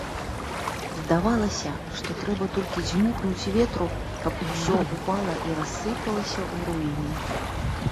Здавалася, што трэба толькі дзьмухнуць ветру, каб усё ўпала і рассыпалася ў руіны.